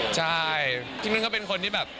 ใช่ที่มันก็เป็นคนที่แบบ